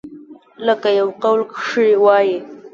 لکه يو قول کښې وائي ۔